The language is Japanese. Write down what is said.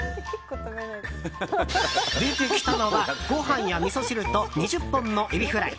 出てきたのはご飯や、みそ汁と２０本のエビフライ。